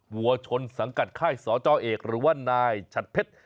วัวชนสังกัดค่ายสจเอกหรือว่านายฉัดเพชร